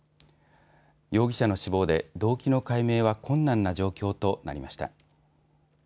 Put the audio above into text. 容疑者の死亡で動機の解明は困難な状況となりました。